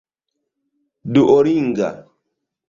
duolinga